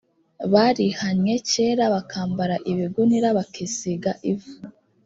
barihannye kera bakambara ibigunira bakisiga ivu